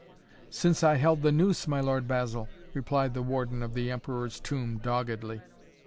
"Since I held the noose, my Lord Basil," replied the warden of the Emperor's Tomb doggedly.